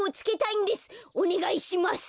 おねがいします。